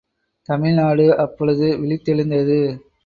தமிழ்நாடு அப்பொழுது விழித்தெழுந்தது.